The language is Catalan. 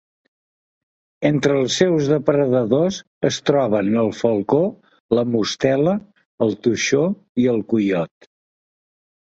Entre els seus depredadors es troben el falcó, la mostela, el toixó i el coiot.